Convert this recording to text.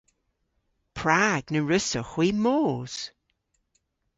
Prag na wrussowgh hwi mos?